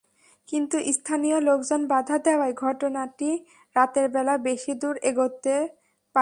কিন্তু স্থানীয় লোকজন বাধা দেওয়ায় ঘটনাটি রাতের বেলা বেশি দূর এগোতে পারেনি।